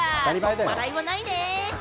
笑いもないね。